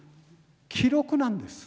記録なんです。